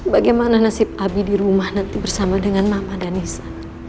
bagaimana nasib abi di rumah nanti bersama dengan mama dan nisa